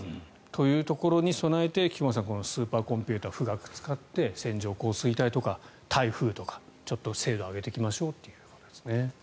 というところに備えて菊間さんスーパーコンピューター富岳を使って、線状降水帯とか台風とか、ちょっと精度を上げていきましょうということですね。